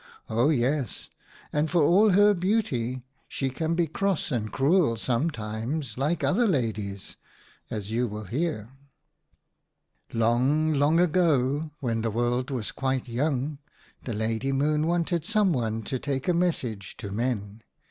O yes, and for all her beauty she can be cross and cruel sometimes like other ladies, as you will hear." " Long, long ago, when the world was quite young, the Lady Moon wanted some one to take a message to Men.